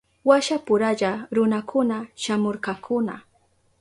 Washapuralla runakuna shamurkakuna.